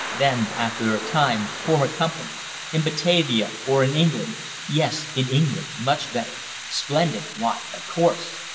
Then after a time form a Company. In Batavia or in England. Yes, in England. Much better. Splendid! Why, of course.